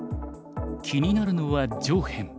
気になるのは上辺。